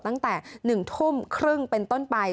ตั้งแต่๑ทุ่มครึ่งเป็นต้นไป